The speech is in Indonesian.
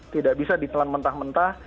tidak bisa ditelan mentah mentah